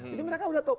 jadi mereka udah tahu